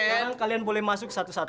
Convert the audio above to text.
sekarang kalian boleh masuk satu satu